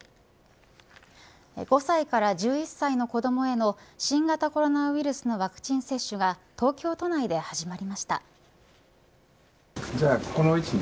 ５歳から１１歳の子どもへの新型コロナウイルスのワクチン接種が東京都内で始まりました。